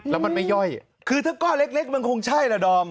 แล้วมันไม่ย่อยคือถ้าก้อนเล็กมันคงใช่แหละดอม